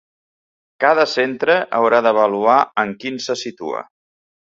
Cada centre haurà d’avaluar en quin se situa.